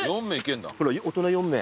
ほら大人４名。